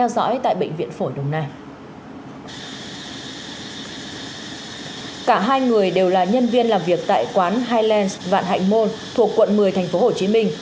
cả hai người đều là nhân viên làm việc tại quán higland vạn hạnh môn thuộc quận một mươi thành phố hồ chí minh